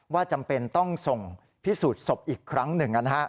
จำเป็นต้องส่งพิสูจน์ศพอีกครั้งหนึ่ง